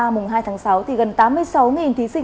mùng hai tháng sáu gần tám mươi sáu thí sinh